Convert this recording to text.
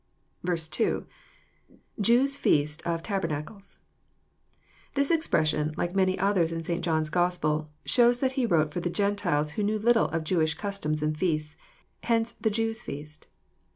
2."'[Jews* fe<ist of tabernacles.'] This expression, like many others in St. John's Gospel, shows that he wrote for the Gentiles, wiio knew little of Jewish customs and feasts. Hence "the Jews' feast."